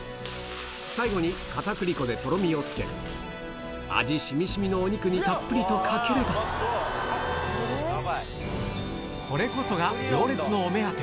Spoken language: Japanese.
最後にかたくり粉でとろみをつけ、味しみしみのお肉にたっぷりとかければ、これこそが行列のお目当て。